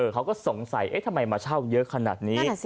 เขาก็สงสัยทำไมมาเช่าเยอะขนาดนี้